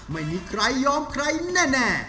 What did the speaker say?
ไม่มีใครยอมใครแน่